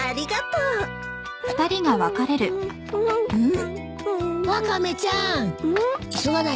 うん？